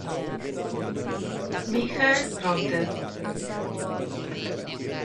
Michael Rother.